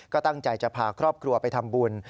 ก็ตั้งใจจะพาครอบครัวไปทำบุญ